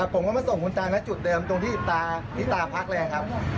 ผมก็มาส่งคุณตานะจุดเดิมตรงที่ตาพักเลยครับ